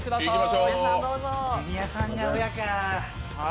ジュニアさんが親か。